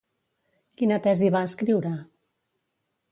Quina tesi va escriure?